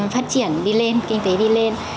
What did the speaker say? phát triển đi lên kinh tế đi lên